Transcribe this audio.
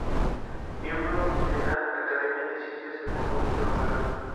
Miembro de las Academias de Ciencias de Polonia y Noruega.